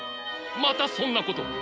またそんなことを！